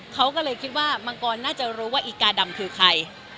เขาก็เลยคิดว่ามังกรน่าจะรู้ว่าอีกาดำคือใคร